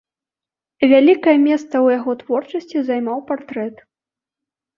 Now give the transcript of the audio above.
Вялікае месца ў яго творчасці займаў партрэт.